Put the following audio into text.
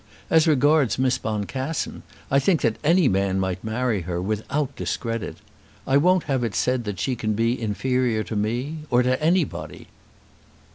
As regards Miss Boncassen, I think that any man might marry her, without discredit. I won't have it said that she can be inferior to me, or to anybody."